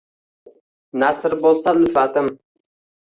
Nasr bo‘lsa, ulfatim…